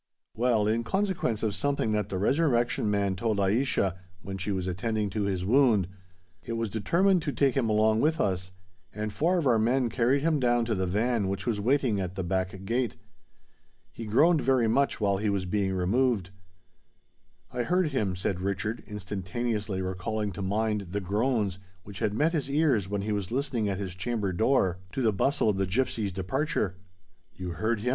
"Well—in consequence of something that the Resurrection Man told Aischa, when she was attending to his wound, it was determined to take him along with us; and four of our men carried him down to the van which was waiting at the back gate. He groaned very much while he was being removed." "I heard him," said Richard, instantaneously recalling to mind the groans which had met his ears when he was listening at his chamber door to the bustle of the gipsies' departure. "You heard him?"